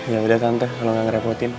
yaudah tante kalo gak ngerepotin